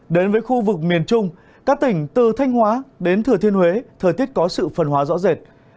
đến với khu vực miền trung các tỉnh từ thanh hóa đến thừa thiên huế thời tiết có sự phân hóa rõ rệt